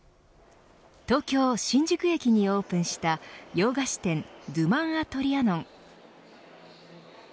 東京、新宿駅にオープンした洋菓子店ドゥマン・ア・トリアノン。